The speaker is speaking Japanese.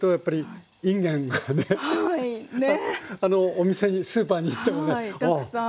お店にスーパーに行ってもねああ